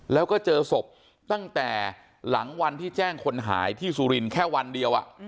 แล้วก็เจอศพตั้งแต่หลังวันที่แจ้งคนหายที่สุรินทร์แค่วันเดียว